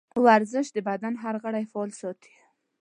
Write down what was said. ورزش د بدن هر غړی فعال ساتي.